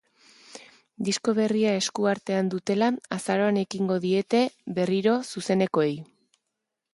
Disko berria esku artean dutela, azaroan ekingo diete berriro zuzenekoei.